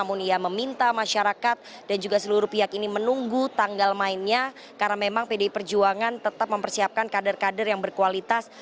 namun ia meminta masyarakat dan juga seluruh pihak ini menunggu tanggal mainnya karena memang pdi perjuangan tetap mempersiapkan kader kader yang berkualitas